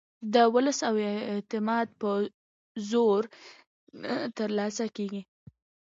د ولس اعتماد په زور نه ترلاسه کېږي